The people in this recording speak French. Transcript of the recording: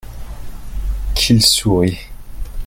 Qu'il sourit !